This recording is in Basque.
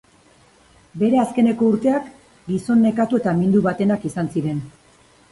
Bere azkeneko urteak gizon nekatu eta mindu batenak izan ziren.